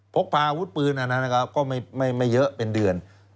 พกพาอาวุธปืนอันนั้นนะครับก็ไม่เยอะเป็นเดือน